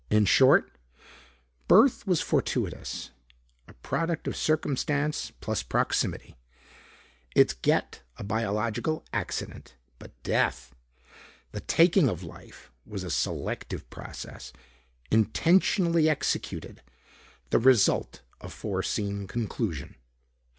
In short, birth was fortuitous, a product of circumstance plus proximity, its get a biological accident. But death the taking of life was a selective process, intentionally executed, the result a foreseen conclusion.